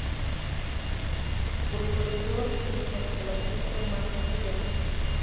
Su recolección y su manipulación son más sencillas.